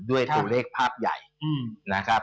ด้วยตัวเลขภาพใหญ่นะครับ